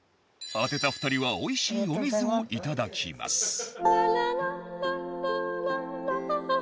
当てた２人はおいしいお水をいただきます。